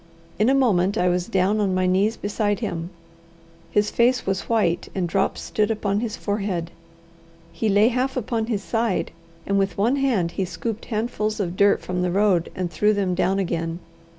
In a moment I was down on my knees beside him. His face was white, and drops stood upon his forehead. He lay half upon his side, and with one hand he scooped handfuls of dirt from the road and threw them down again.